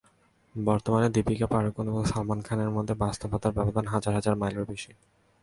বর্তমানে দীপিকা পাডুকোণ এবং সালমান খানের মধ্যে বাস্তবের ব্যবধান হাজার মাইলেরও বেশি।